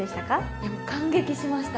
いやもう感激しました。